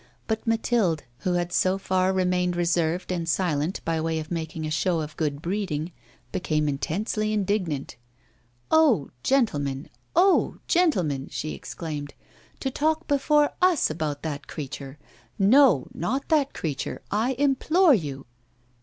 But Mathilde, who had so far remained reserved and silent by way of making a show of good breeding, became intensely indignant. 'Oh! gentlemen, oh! gentlemen,' she exclaimed, 'to talk before us about that creature. No, not that creature, I implore you!